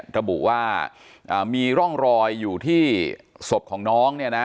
ระบุว่ามีร่องรอยอยอยู่ที่ศพของน้อง